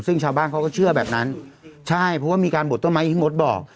ซึ่งชาวบ้านเขาก็เชื่อแบบนั้นใช่เพราะว่ามีการบดต้นไม้อย่างที่มดบอก